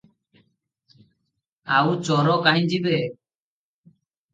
ଆଉ ଚୋର କାହିଁ ଯିବେ?